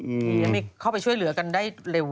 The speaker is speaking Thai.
มีคราวที่เข้าไปช่วยเหลือกันได้เร็ว